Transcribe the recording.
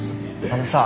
あのさ。